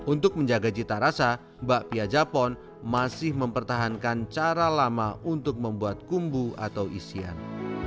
untuk menjaga cita rasa bakpia japon masih mempertahankan cara lama untuk membuat kumbu atau isian